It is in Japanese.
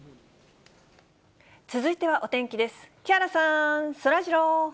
続いてはお天気です。